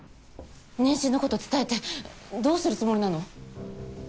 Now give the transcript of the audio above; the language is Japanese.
妊娠のこと伝えてどうするつもりなの？